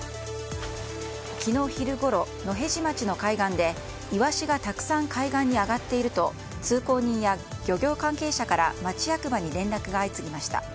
昨日昼ごろ、野辺地町の海岸でイワシがたくさん海岸に上がっていると、通行人や漁業関係者から町役場に連絡が相次ぎました。